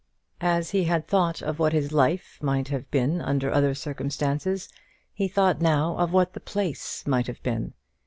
As he had thought of what his life might have been under other circumstances, he thought now of what the place might have been.